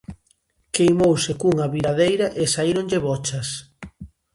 Queimouse cunha viradeira e saíronlle bochas.